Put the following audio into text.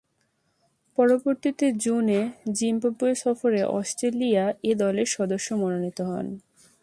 পরবর্তীতে জুনে জিম্বাবুয়ে সফরে অস্ট্রেলিয়া এ দলের সদস্য মনোনীত হন।